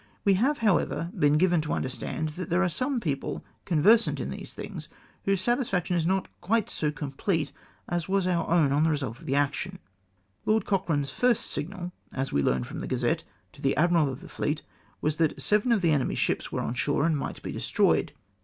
We have, how ever, been given to understand that there are some people conversant in these things, whose satisfaction is not quite so complete as was our own on the result of the action. " Lord Cochrane's first signal, as we learn from the Gazette, to the admiral of the fleet, was that 'seven of the enemy's ships were on shore, and might be destroyed.'